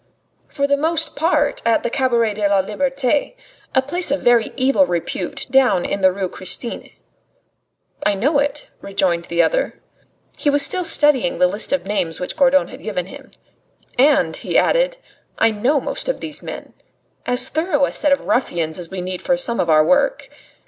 "For the most part at the Cabaret de la Liberte a place of very evil repute down in the Rue Christine." "I know it," rejoined the other. He was still studying the list of names which Gourdon had given him. "And," he added, "I know most of these men. As thorough a set of ruffians as we need for some of our work.